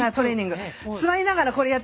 座りながらこれやってください。